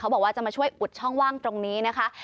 บอกว่าจะมาช่วยอุดช่องว่างตรงนี้นะคะ